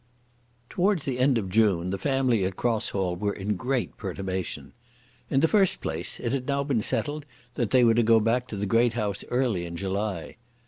Towards the end of June the family at Cross Hall were in great perturbation. In the first place it had been now settled that they were to go back to the great house early in July.